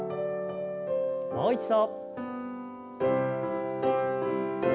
もう一度。